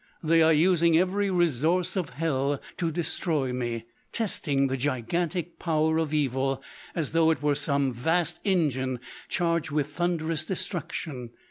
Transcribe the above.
"They are using every resource of hell to destroy me—testing the gigantic power of Evil—as though it were some vast engine charged with thunderous destruction!